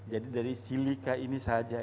jadi dari silika ini saja